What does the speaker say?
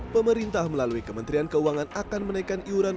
pemerintah melalui kementerian keuangan akan menaikkan iuran